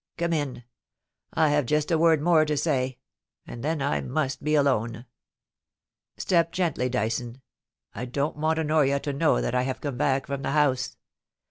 Come in. I have just a word more to say, and then I must be alone. Step gently, Dyson ; I don't want Honoria to know that I have come back from the House.